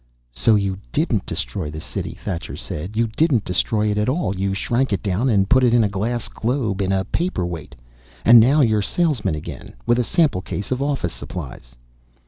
"So you didn't destroy the City," Thacher said. "You didn't destroy it at all. You shrank it down and put it in a glass globe, in a paperweight. And now you're salesmen again, with a sample case of office supplies!"